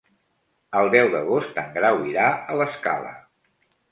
El deu d'agost en Grau irà a l'Escala.